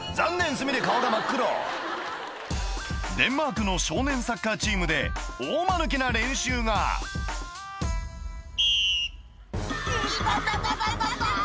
墨で顔が真っ黒デンマークの少年サッカーチームで大マヌケな練習が痛たたた。